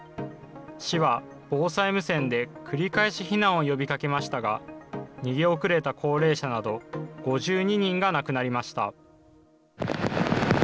市は防災無線で繰り返し避難を呼びかけましたが、逃げ遅れた高齢者など５２人が亡くなりました。